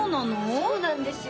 そうなんですよ